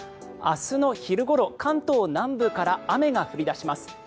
明日の昼ごろ関東南部から雨が降り出します。